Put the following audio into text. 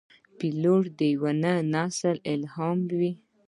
پیلوټ د یوه نسل الهام وي.